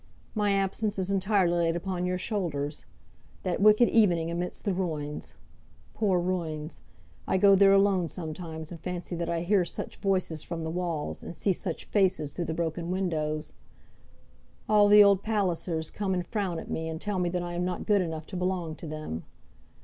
My absence is entirely laid upon your shoulders. That wicked evening amidst the ruins! Poor ruins. I go there alone sometimes and fancy that I hear such voices from the walls, and see such faces through the broken windows! All the old Pallisers come and frown at me, and tell me that I am not good enough to belong to them.